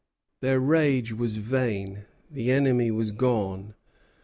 Their rage was vain; the enemy was gone.